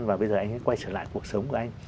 và bây giờ anh ấy quay trở lại cuộc sống của anh